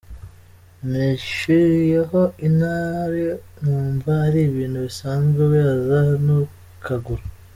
Nishyiriyeho intare numva ari ibintu bisanzwe, we aza antukagura…”.